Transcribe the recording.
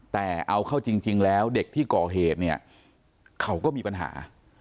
แต่เอาเข้าจริงแล้วเด็กที่ก่อเหตุเนี่ยเขาก็มีปัญหา